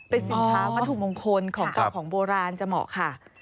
เป็นสินค้าวัตถุมงคลของเก่าของโบราณจะเหมาะค่ะ